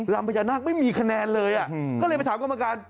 ลำพญานาคไม่มีคะแนนเลยก็เลยไปถามกรรมการ